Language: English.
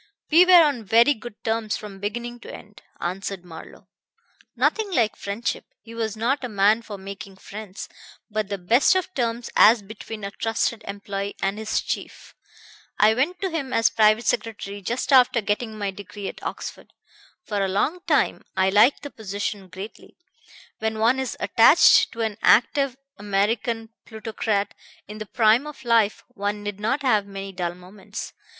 "We were on very good terms from beginning to end," answered Marlowe. "Nothing like friendship he was not a man for making friends but the best of terms as between a trusted employee and his chief. I went to him as private secretary just after getting my degree at Oxford. For a long time I liked the position greatly. When one is attached to an active American plutocrat in the prime of life one need not have many dull moments.